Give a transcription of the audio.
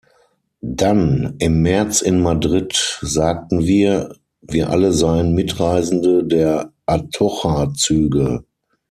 Dann, im März in Madrid, sagten wir, wir alle seien Mitreisende der Atocha-Züge.